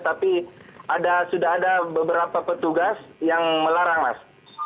tapi sudah ada beberapa petugas yang melarang mas